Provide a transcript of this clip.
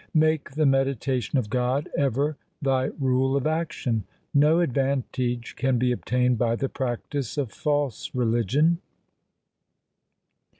Make the meditation of God ever thy rule of action ; no advantage can be obtained by the practice of false religion.